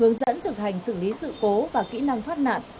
hướng dẫn thực hành xử lý sự cố và kỹ năng thoát nạn